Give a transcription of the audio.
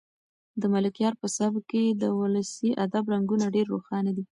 د ملکیار په سبک کې د ولسي ادب رنګونه ډېر روښانه دي.